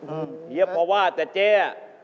อืมเยี่ยมพอว่าแต่เจ๊